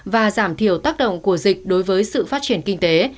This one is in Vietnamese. và giảm thiểu tác động của dịch đối với sự phát triển kinh tế